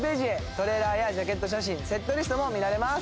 トレーラーやジャケット写真セットリストも見られます。